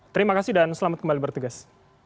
terima kasih dan selamat kembali bertugas